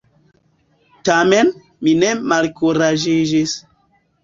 Tamen, mi ne malkuraĝiĝis.